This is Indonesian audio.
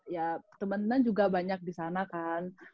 ya temen temen juga banyak di sana kan